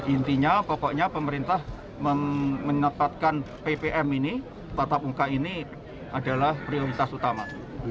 intinya pokoknya pemerintah menetapkan ppm ini tatap muka ini adalah prioritas utama